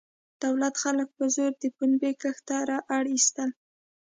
دولت خلک په زور د پنبې کښت ته اړ ایستل.